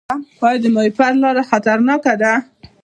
آیا د ماهیپر لاره خطرناکه ده؟